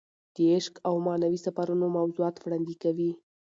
د عشق او معنوي سفرونو موضوعات وړاندې کوي.